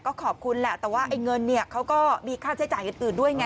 ก็ขอบคุณแหละแต่ว่าเงินเขาก็มีค่าใช้จ่ายอุติด้วยไง